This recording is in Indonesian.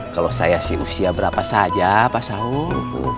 kalau saya sih usia berapa saja pak saung